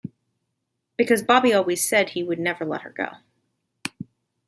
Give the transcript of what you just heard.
Because Bobby always said he would never let her go.